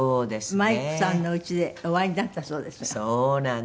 マイクさんのうちでお会いになったそうですが。